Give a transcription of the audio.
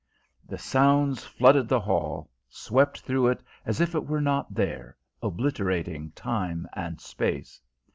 The sounds flooded the hall; swept through it as if it were not there, obliterating time and space.